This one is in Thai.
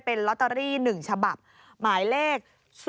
เป็นลอตเตอรี่๑ฉบับหมายเลข๐